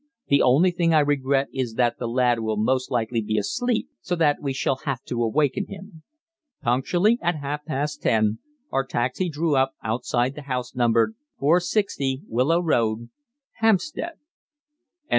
The only thing I regret is that the lad will most likely be asleep, so that we shall have to awaken him." Punctually at half past ten our taxi drew up outside the house numbered 460 Willow Road, Hampstead.